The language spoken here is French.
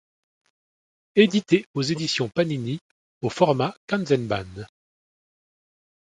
Éditée aux éditions Panini au format kanzenban.